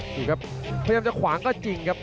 พยายามจะขวางก็จริงครับ